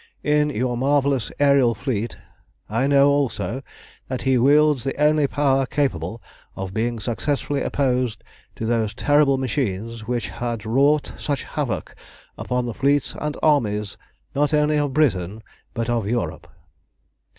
In your marvellous aërial fleet I know also that he wields the only power capable of being successfully opposed to those terrible machines which had wrought such havoc upon the fleets and armies, not only of Britain, but of Europe.